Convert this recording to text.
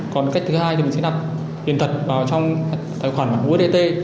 còn cách thứ hai thì mình sẽ nạp tiền thật vào trong tài khoản usdt